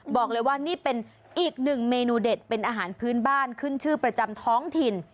บอกเลยว่านี่เป็นอีกหนึ่งเมนูเด็ดเป็นอาหารพื้นบ้านขึ้นชื่อประจำท้องถิ่น